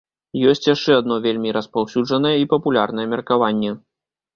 Ёсць яшчэ адно вельмі распаўсюджанае і папулярнае меркаванне.